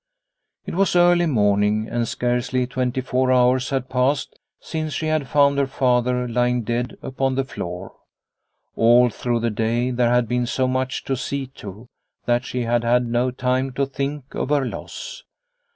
It was early morning, and scarcely twenty four hours had passed since she had found her father lying dead upon the floor. All through the day there had been so much to see to, that she had had no time to think of her loss.